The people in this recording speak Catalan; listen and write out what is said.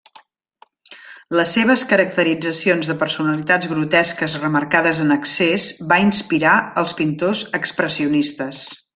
Les seves caracteritzacions de personalitats grotesques remarcades en excés van inspirar als pintors expressionistes.